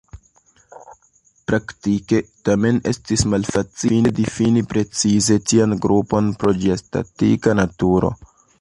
Praktike, tamen, estis malfacile difini precize tian grupon pro ĝia statika naturo.